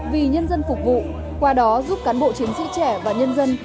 vì nhân dân phục vụ qua đó giúp cán bộ chiến sĩ trẻ và nhân dân